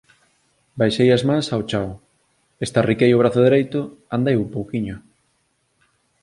Baixei as mans ao chao, estarriquei o brazo dereito, andei un pouquiño